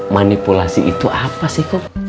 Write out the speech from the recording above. manipulasi itu apa sih kok